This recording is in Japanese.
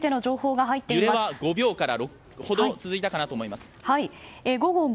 揺れは５秒から６秒ほど続いたかなと思います。